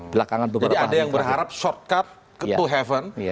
jadi ada yang berharap sorkat to the heaven